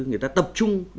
người ta tập trung